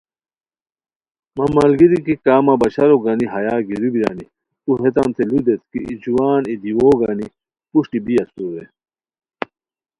مہ ملگیری کی مہ بشارو گانی ہیا گیرو بیرانی تو ہتیتانتے لودیت کی ای جوان ای دیوؤ گانی پروشٹی بی اسور رے